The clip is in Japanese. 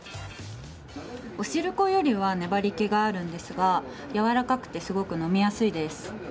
おしるこよりは粘り気があるんですがやわらかくてすごく飲みやすいです。